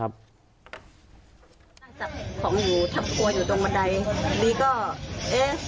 จับของอยู่ทับครัวอยู่ตรงบันไดลีก็เอะไหล้